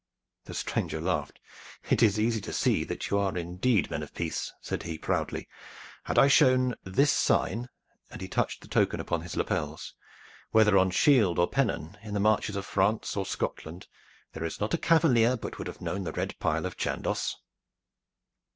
The stranger laughed. "It is easy to see that you are indeed men of peace," said he proudly. "Had I shown this sign," and he touched the token upon his lapels, "whether on shield or pennon, in the marches of France or Scotland, there is not a cavalier but would have known the red pile of Chandos."